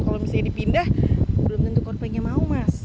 kalau misalnya dipindah belum tentu coldplay nya mau mas